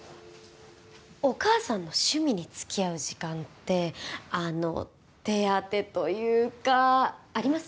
お義母さんの趣味に付き合う時間ってあの手当というかあります？